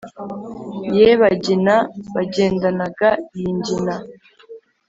Ye Bagina bagendanaga iyi Ngina*